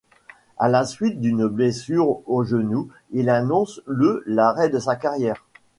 À la suite d'une blessure au genou, il annonce le l'arrêt de sa carrière.